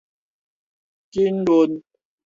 筋韌